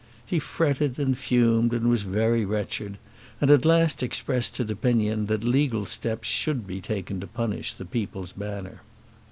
He fretted and fumed and was very wretched, and at last expressed his opinion that legal steps should be taken to punish the "People's Banner."